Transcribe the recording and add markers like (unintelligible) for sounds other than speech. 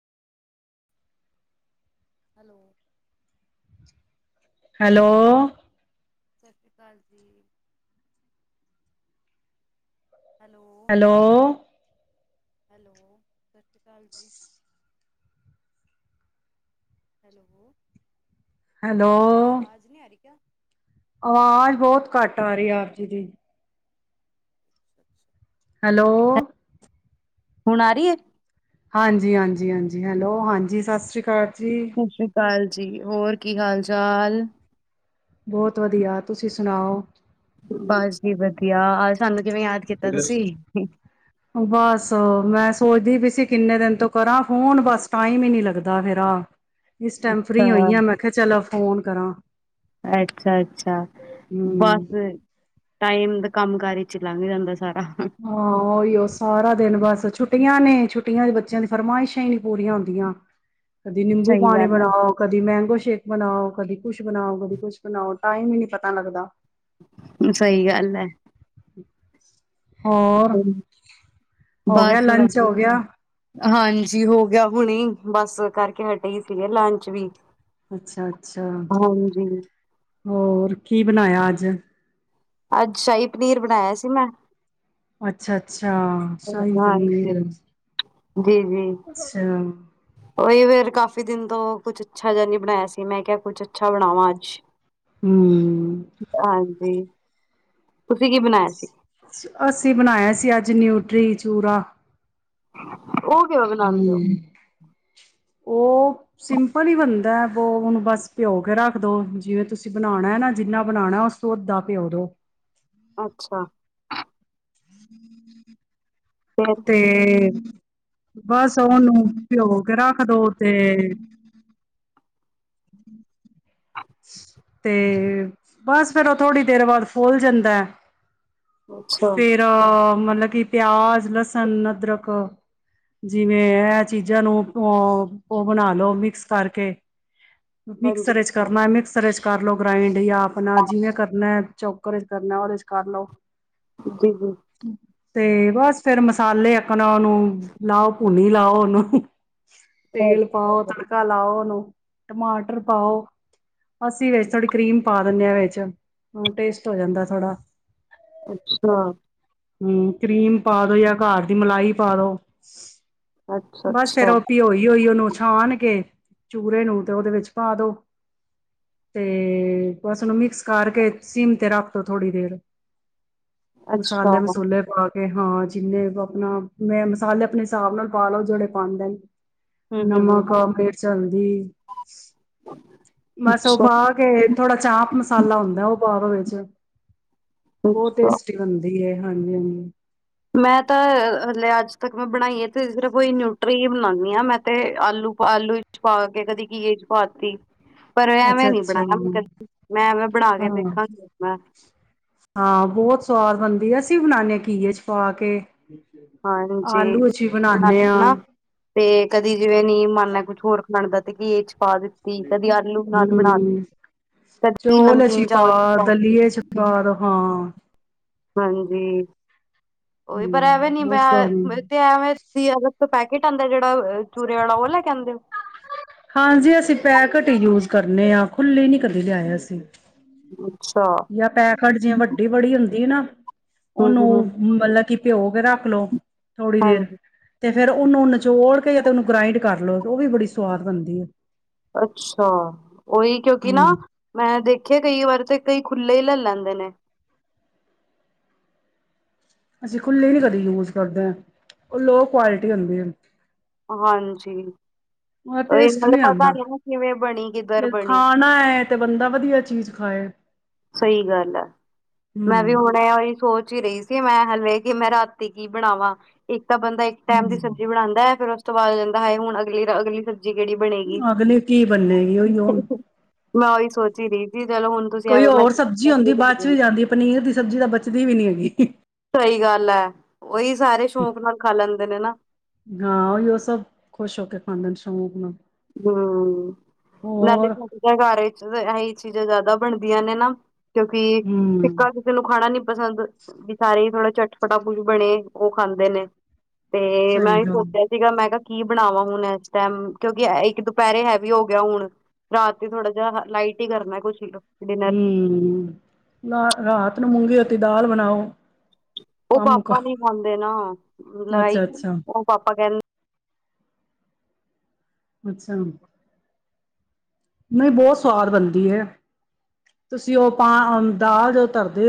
Hello (inaudible) hello. ਸਤਿ ਸ਼੍ਰੀ ਅਕਾਲ ਜੀ (inaudible) ਹੈਲੋ (inaudible) ਹੈਲੋ। (inaudible) ਹੈਲੋ ਆਵਾਜ਼ ਨਹੀਂ ਆ ਰਹੀ ਕਿਆ (inaudible) ਆਵਾਜ਼ ਬਹੁਤ ਘੱਟ ਆ ਰਹੀ ਆ, ਆਪ ਜੀ ਦੀ। (unintelligible) ਹੈਲੋ। ਹੁਣ ਆ ਰਹੀ ਹੈ? ਹਾਂਜੀ- ਹਾਂਜੀ, ਹਾਂਜੀ ਹੈਲੋ, ਹਾਂਜੀ ਸਤਿ ਸ਼੍ਰੀ ਅਕਾਲ। ਜੀ। ਸਤਿ ਸ੍ਰੀ ਅਕਾਲ। ਜੀ ਹੋਰ ਕੀ ਹਾਲ -ਚਾਲ। ਬਹੁਤ ਵਧੀਆ, ਤੁਸੀਂ ਸੁਣਾਓ ਬਸ ਜੀ ਵਧੀਆ। ਸਾਨੂੰ ਕਿਵੇਂ ਯਾਦ ਕੀਤਾ ਤੁਸੀਂ? ਬਸ, ਮੈਂ ਸੋਚਦੀ ਪਈ ਸੀ ਅਸੀਂ ਕਿੰਨੇ ਦਿਨ ਤੋਂ ਕਰਾਂ ਫੋਨ ਬਸ, ਟਾਈਮ ਹੀ ਨੀ ਲੱਗਦਾ ਮੇਰਾ। ਇਸ ਟਾਈਮ ਫਰੀ ਹੋਈ ਹਾਂ, ਮੈਂ ਕਿਹਾ ਚਲੋ ਫ਼ੋਨ ਕਰਾਂ। ਅੱਛਾ- ਅੱਛਾ, ਹੂੰ ਬਸ ਟਾਈਮ ਦਾ ਕੰਮ ਕਾਰ ਲੰਘ ਜਾਂਦਾ ਸੀ ਹਾਂ, ਓਹੀ ਉਹ ਸਾਰਾ ਦਿਨ ਬਸ ਛੁੱ ਛੁੱਟੀਆਂ ਨੇ, ਛੁੱਟੀਆਂ ਬੱਚਿਆਂ ਦੀ ਫਰਮਾਇਸ਼ਾਂ ਹੀ ਨਹੀਂ ਪੂਰੀਆਂ ਹੁੰਦੀਆਂ। ਕਦੀ ਨਿੰਬੂ ਸਹੀ ਪਾਣੀ ਗੱਲ ਹੈ। ਬਣਾਓ, ਕਦੀ ਮੈੰਗੋ ਸ਼ੇਕ ਸ਼ੇਕ ਬਣਾਓ ਕਦੀ ਕੁੱਛ ਬਣਾਓ ਕਦੀ ਕੁੱਛ ਬਣਾਓ ਟਾਈਮ ਹੀ ਨੀ ਪਤਾ ਲੱਗਦਾ। ਸਹੀ ਗੱਲ ਹੈ। (unintelligible) ਹੋਰ ਹੋ ਗਿਆ ਬਸ ਲੰਚ ਹੋ ਵਧੀਆ। ਗਿਆ। ਹਾਂਜੀ ਹੋ ਗਿਆ ਹੁਣੇ ਬਸ ਕਰਕੇ ਹਟੇ ਹੀ ਸੀਗੇ ਲੰਚ ਵੀ ਅੱਛਾ ਅੱਛਾ ਹਾਂਜੀ, ਹੋਰ ਕੀ ਬਣਾਇਆ ਅੱਜ। (unintelligible) ਅੱਜ ਸ਼ਾਹੀ ਪਨੀਰ ਬਣਾਇਆ ਸੀ ਮੈਂ। ਅੱਛਾ ਅੱਛਾ। ਅੱਛਾ ਸ਼ਹੀ ਹਾਂਜੀ। ਪਨੀਰ ਜੀ ਜੀ, ਅੱਛਾ। ਉਹੀ ਫੇਰ ਕਾਫ਼ੀ ਦਿਨ ਤੋਂ ਕੁਛ ਅੱਛਾ ਜਿਹਾ ਨਹੀਂ ਬਣਾਇਆ ਸੀ ਮੈਂ ਕਿਹਾ ਕੁਛ ਅੱਛਾ ਬਣਾਵਾਂ ਅੱਜ। ਹੂੰ। ਹਾਂਜੀ। ਤੁਸੀਂ ਕੀ ਬਣਾਇਆ ਸੀ। ਅਸੀਂ ਬਣਾਇਆ ਸੀ ਅੱਜ ਨਿਊਟਰੀ ਚੂਰਾ (unintelligible) ਉਹ ਕਿਵੇ ਹੂੰ। ਬਣਾਉਦੇ ਹੋ। ਉਹ ਸਿੰਪਲ ਹੀ ਬੰਦਾ ਐ। ਉਹਨੂੰ ਬਸ ਭਿਓ ਕੇ ਰੱਖ ਦੋ ਜਿਵੇਂ ਤੁਸੀਂ ਬਣਾਉਣਾ ਹੈ ਨਾ ਜਿੰਨਾ ਬਣਾਉਣਾ ਉਸ ਤੋਂ ਓਦਾ ਭਿਓ ਦੋ। ਅੱਛਾ। (unintelligible) ਫੇਰ ਤੇ ਬਸ ਉਹ ਓਹਨੂੰ ਭਿਓ ਕੇ ਰੱਖ ਦੋ ਤੇ (unintelligible) ਤੇ ਬਸ ਫਿਰ ਉਹ ਥੋੜ੍ਹੀ ਦੇਰ ਬਾਅਦ ਫੁੱਲ ਜਾਂਦਾ ਹੈ। ਅੱਛਾ ਫ਼ੇਰ ਮਤਲਬ ਕਿ ਪਿਆਜ ਲਸਣ ਅਦਰਕ ਜਿਵੇਂ ਇਹ ਚੀਜ਼ਾਂ ਨੂੰ ਉਹ ਬਣਾ ਲਓ ਮਿਕਸ ਕਰਕੇ ਮਿਕਸ ਹਾਂਜੀ ਸਰਰੇਜ ਕਰਨਾ ਮਿਕਸ ਸਰੇਜ ਕਰ ਲਓ ਗ੍ਰਾਈੰਡ ਲ ਆਪਣਾ ਜਿਵੇਂ ਕਰਨਾ ਚੌਕਰ ਚ ਕਰਨਾ ਉਹਦੇ ਚ ਕਰ ਲਓ। ਜੀ ਜੀ। ਤੇ ਬਸ ਫੇਰ ਮਸਾਲੇ ਉਹਨਾਂ ਨੂੰ ਲਾਭ ਭੁਣੀ ਲਾਓ ਉਹਨੂੰ ਤੇਲ ਪਾਓ ਅੱਛਾ ਤੜਕਾ ਲਾਓ ਓਨੂੰ ਟਮਾਟਰ ਪਾਓ। ਅਸੀਂ ਵਿੱਚ ਥੋੜੀ ਕਰੀਮ ਪਾ ਬੰਨਿਆ ਵਿੱਚ ਹੂੰ ਟੇਸਟ ਹੋ ਜਾਂਦਾ ਥੋੜਾ। ਅੱਛਾ। ਹੂੰ, ਕਰੀਮ ਪਾ ਦੋ ਜਾਂ ਘਰ ਦੀ ਮਲਾਈ ਪਾ ਦੋ। ਬਸ ਫਿਰ ਅੱਛਾ ਉਹੀ ਭਿਉ ਹੀ ਹੋਈ ਉਹਨੂੰ। ਛਾਨ ਕੇ ਚੂਰੇ ਨੂੰ ਤੇ ਉਹਦੇ ਵਿੱਚ ਪਾ ਦੋ, ਤੇ ਬਸ ਉਹਨੂੰ ਮਿਕਸ ਕਰਕੇ ਸਿੰਮ ਤੇ ਰੱਖ ਦੋ ਥੋੜ੍ਹੀ ਦੇਰ। ਅੱਛਾ। ਮਸਾਲੇ ਹੂੰ ਮਸੂਲੇ ਪਾ ਕੇ ਹਾਂ ਜਿੰਨੇ ਆਪਣਾ ਮੈਂ ਮਸਾਲੇ ਆਪਣੇ ਹਿਸਾਬ ਨਾਲ ਪਾ ਲਓ ਜਿਹੜੇ ਪਾਂਦੇ ਨੇ। ਹੂੰ ਨਮਕ, ਹੂੰ ਮਿਰਚ, ਹਲਦੀ ਬਸ ਉਹ ਅੱਛਾ ਪਾ ਕੇ ਥੋੜਾ ਚਾਪ ਮਸਾਲਾ ਹੁੰਦਾ ਉਹ ਪਾ ਦੋ ਵਿੱਚ। ਬਹੁਤ ਅੱਛਾ ਟੇਸਟੀ ਬਣ ਹਾਂਜੀ ਹਾਂਜੀ। ਮੈਂ ਤਾਂ ਹਲੇ ਅੱਜ ਤੱਕ ਮੈਂ ਬਣਾਈ ਆ ਤੇ ਸਿਰਫ ਨਿਊਟਰੀ ਬਣਾਣੀ ਹਾਂ। ਮੈਂ ਤੇ ਆਲੂ-ਆਲੂ ਚ ਪਾ ਕੇ ਕਦੇ ਘੀਏ ਚ ਪਾਤੀ। ਪਰ ਅੱਛਾ ਐਵੇਂ ਨੀ ਅੱਛਾ ਬਣਾਇਆ ਕਦੀ, ਮੈਂ ਐਵੇਂ ਬਣਾ ਕੇ ਹਾਂ ਦੇਖਾਂਗੀ। ਹਾਂ ਬਹੁਤ ਸਵਾਦ ਬਣਦੀ ਆ ਅਸੀਂ ਵੀ ਬਣਾਦੇ ਘੀਏ ਚ ਪਾ ਕੇ। ਹਾਂਜੀ ਆਲੂ ਚ ਵੀ ਬਣਾਉਦੇ ਹਾਂ ਬਣਾ ਤੇ ਕਦੀ ਜਿਵੇਂ ਨੀ ਮਨ ਹੈ ਕੁਛ ਹੋਰ ਬਣਦਾ ਤੇ ਘੀਏ ਚ ਪਾ ਦਿੱਤੀ ਕਦੀ ਆਲੂ ਨਾਲ ਬਣਾ ਤੇ, ਹਮ ਕਦੀ ਚੋਲ ਚ ਨਮਕੀਨ ਪਾ ਚਾਵਲ ਬਣਾ ਤੇ। ਦਲੀਏ ਚ ਪਾ ਦੋ ਹਾਂ ਹਾਂਜੀ, ਉਹੀ ਹਮ ਪਰ ਐਵੇਂ ਨਿੰਬੂ ਬਹੁਤ ਸਵਾਦ (unintelligible) ਪੈਕੇਟ ਆਂਦਾ ਜਿਹੜਾ। ਚੂਰੇ ਵਾਲਾ ਉਹ ਲੈ ਕੇ ਆਂਦੇ ਹੋ ਹਾਂਜੀ ਅਸੀਂ ਪੈਕਟੀ ਹੀ ਯੂਜ ਕਰਨੇ ਆ ਖੁੱਲੇ ਨੀ ਕਦੇ ਲਿਆਏ ਅਸੀਂ। ਅੱਛਾ ਜਾਂ ਪੈਕਟ ਵੱਡੀ ਬੜੀ ਹੁੰਦੀ ਨਾ। ਹਮ ਉਹਨੂੰ ਹਮ ਮਤਲਬ ਕੀ ਪਿਓ ਕੇ ਰੱਖ ਲਓ। ਥੋੜ੍ਹੀ ਦੇਰ ਹਾਂਜੀ ਤੇ ਫੇਰ ਉਹਨੂੰ ਨਚੋੜ ਕੇ ਤੇ ਉਹਨੂੰ ਗ੍ਰਾਇੰਡ ਕਰ ਲਓ ਉਹ ਵੀ ਬੜੀ ਸਵਾਦ ਬਣਦੀ ਹੈ। ਅੱਛਾ। ਉਹੀ ਕਿਉਂਕਿ ਨਾ ਹੂੰ, ਮੈਂ ਦੇਖ ਦੇਖੇ ਕਈ ਵਾਰ ਤੇ ਕਈ ਖੁੱਲ੍ਹੇ ਹੀ ਲੈ ਲੈਂਦੇ ਨੇ। ਅਸੀਂ ਖੁੱਲੇ ਨੀ ਕਦੇ ਯੂਸ ਕਰਦੇ। ਉਹ ਲੋਅ ਕੁਆਲਿਟੀ ਹੁੰਦੀ ਹੈ। ਹਾਂਜੀ। ਉਹਦਾ ਇਹ ਟੇਸਟ ਨਾਲੇ ਨਹੀਂ ਪਤਾ ਆਂਦਾ, ਨੀ ਨਾ ਕਿਵੇਂ ਬਣੀ ਕਿੱਧਰ ਜੇ ਬਣੀ ਖਾਣਾ ਤੇ ਬੰਦਾ ਵਧੀਆ ਚੀਜ਼ ਖਾਏ। ਸਹੀ ਗੱਲ ਆ ਮੈਂ ਵੀ ਹਮ ਹੁਣ ਐਹੀ ਸੋਚ ਹੀ ਰਹੀ ਸੀ ਮੈਂ ਇਹ ਵੇ ਮੈਂ ਰਾਤੀ ਕੀ ਬਣਾਵਾਂ। ਇੱਕ ਤਾਂ ਬੰਦਾ ਇੱਕ ਟਾਈਮ ਦੀ ਸਬਜ਼ੀ ਬਣਾਉਂਦਾ ਹੈ ਫਿਰ ਤੋਂ ਬਾ ਜਾਂਦਾ ਹੈ ਹੁਣ ਅਗਲੀ ਅਗਲੀ ਸੱ ਅਗਲੇ ਕੀ ਬੰਨੇਗੀ ਉਹੀ ਹੁਣ ਮੈਂ ਉਹੀ ਸੋਚੀ ਰਹੀ ਜੀ ਚਲੋ ਹੁਣ ਤੁਸੀਂ ਕੋਈ ਐਵੇਂ ਮੈਂ ਹੋਰ ਸਬਜ਼ੀ ਆਉਂਦੀ ਬਾਅਦ ਚ ਵੀ ਜਾਂਦੀ ਪਨੀਰ ਦੀ ਸਬਜ਼ੀ ਦਾ ਬੱਚ ਦੀ ਵੀ ਨਹੀ ਹੈਗੀ ਸਹੀ ਗੱਲ ਐ ਹਾਂ ਉਹੀ ਉਹ ਸਭ ਖੁਸ਼ ਹੋ ਕੇ ਖਾਂਦੇ ਸੰੋਣਾ ਹੂੰ ਨਾਲੇ ਛਡ ਕਾਰ ਅਸੀਂ ਚੀਜ਼ਾਂ ਜ਼ਿਆਦਾ ਬਣਦੀਆਂ ਨੇ ਨਾ ਕਿਉਂਕਿ ਹੂੰ ਫਿਕਾ ਕਿਸੇ ਨੂੰ ਖਾਣਾ ਨੀ ਪਸੰਦ ਵੀ ਸਾਰੇ ਥੋੜਾ ਚਟਪਟਾਕੂ ਬਣੇ ਉਹ ਖਾਂਦੇ ਨੇ ਤੇ ਮੈਂ ਸਹੀ ਗੱਲ ਸੋਚਿਆ ਸੀਗਾ ਮੈਂ ਕਿਹਾ ਕੀ ਬਣਾਵਾਾਂ ਹੁਣ ਇਸ ਟਾਈਮ ਕਿਉਂਕਿ ਇੱਕ ਦੁਪਹਿਰੇ ਹੈਵੀ ਹੋ ਗਿਆ ਹੁਣ ਰਾਤ ਥੋੜਾ ਜਿਹਾ ਲਾਈਟ ਹੀ ਕਰਨਾ ਕੁਛ ਹੀ ਲੋ ਹੂੰ ਰਾਤ ਨੂੰ ਮੂੰਗੀ ਦਾਲ ਬਣਾਓ ਉਹ ਕੰਮ ਮੁਕਾ ਪਾਪਾ ਨੀ ਖਾਂਦੇ ਨਾ ਲੜਾਈ ਅੱਛਾ ਚ ਅੱਛਾ ਉਹ ਪਾਪਾ ਕਹਿੰਦੇ ਅੱਛਾ ਬਹੁਤ ਸਵਾਦ ਬਣਦੀ ਹੈ ਤੁਸੀਂ ਉਹ ਪਾ ਦਾਲ ਜੋ ਤਰਦੇ